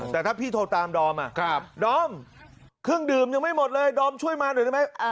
แต่ถ้าพี่โทรตามดอมดอมเครื่องดื่มยังไม่หมดเลยดอมช่วยมาหน่อยได้ไหม